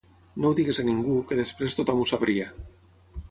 no ho diguis a ningú, que després tothom ho sabria